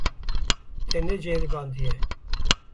Te neceribandiye.